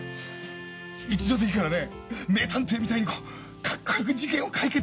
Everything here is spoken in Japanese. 一度でいいからね名探偵みたいにこうかっこよく事件を解決したい。